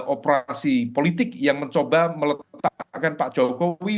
operasi politik yang mencoba meletakkan pak jokowi